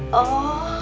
lagi mimpi itu